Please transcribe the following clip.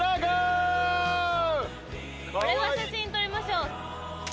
これは写真撮りましょう。